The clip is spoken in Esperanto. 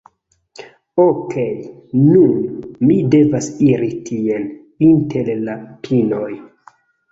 Okej, nun, mi devas iri tien, inter la pinoj.